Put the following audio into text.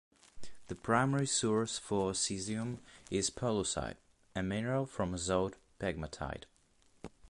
The primary source for caesium is pollucite, a mineral from a zoned pegmatite.